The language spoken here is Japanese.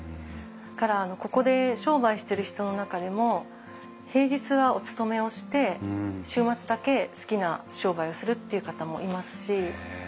だからここで商売してる人の中でも平日はお勤めをして週末だけ好きな商売をするっていう方もいますし。